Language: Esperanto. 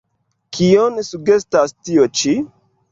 Kion sugestas tio ĉi?